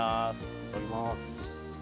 いただきます。